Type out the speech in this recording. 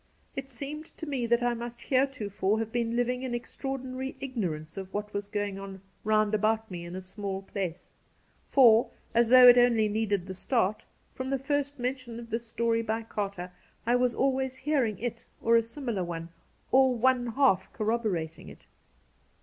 It seemed to me that I must heretofore have been living in extraordinary ignorance of what was going on round about me in a small place ; for, as though it only needed the start, from the first mention of this story by Carter I was always hearing it, or a similar one, or one half corroborating it.